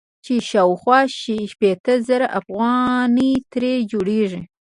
چې شاوخوا شپېته زره افغانۍ ترې جوړيږي.